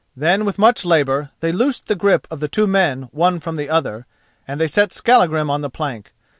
Then with much labour they loosed the grip of the two men one from the other, and they set Skallagrim on the plank.